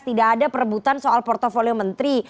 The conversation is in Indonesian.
tidak ada perebutan soal portfolio menteri